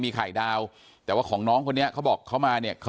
มีไข่ดาวแต่ว่าของน้องคนนี้เขาบอกเขามาเนี่ยเขา